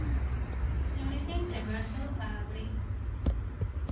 Florece entre marzo a abril.